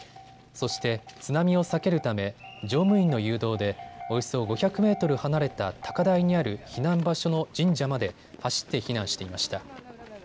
そして、津波を避けるため乗務員の誘導でおよそ５００メートル離れた高台にある避難場所の神社まで走って避難していました。